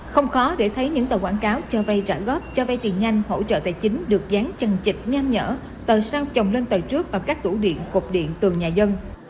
không khó để thấy những tờ quảng cáo cho vây trả góp cho vây tiền nhanh hỗ trợ tài chính được dán chần chịch nhanh nhở tờ sao trồng lên tờ trước ở các tủ điện cục điện tường nhà dân